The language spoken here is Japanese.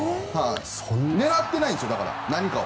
狙ってないんです、何かを。